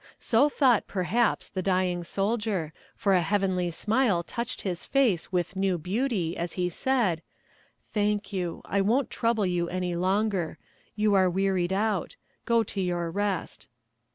"So thought, perhaps, the dying soldier, for a heavenly smile touched his face with new beauty, as he said, 'Thank you; I won't trouble you any longer. You are wearied out; go to your rest.'